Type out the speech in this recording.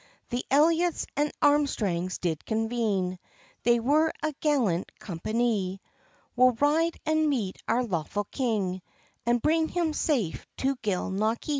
The Elliots and Armstrangs did convene, They were a gallant companie: "We'll ride and meet our lawful king, And bring him safe to Gilnockie.